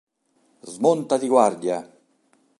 Smonta di guardia!